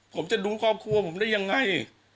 ผมจะดูครอบครัวผมได้ยังไง